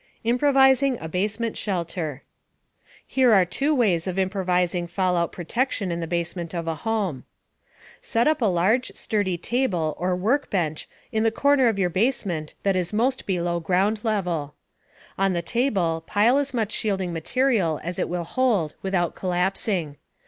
IMPROVISING A BASEMENT SHELTER Here are two ways of improvising fallout protection in the basement of a home: Set up a large, sturdy table or workbench in the corner of your basement that is most below ground level. On the table, pile as much shielding material as it will hold without collapsing.